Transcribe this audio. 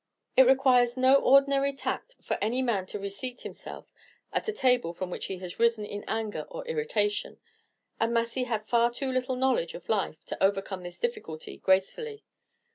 It requires no ordinary tact for any man to reseat himself at a table from which he has risen in anger or irritation, and Massy had far too little knowledge of life to overcome this difficulty gracefully.